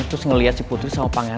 terus ngeliat si putri sama pangeran